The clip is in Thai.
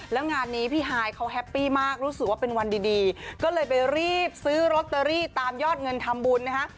แล้วงานนี้พี่ฮายเขาแฮปปี้มากรู้สึกว่าเป็นวันดีก็เลยไปรีบซื้อลอตเตอรี่ตามยอดเงินทำบุญนะฮะ